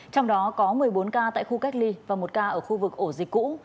trong đó có một mươi bốn ca tại khu cách ly và một ca ở khu vực ổ dịch cũ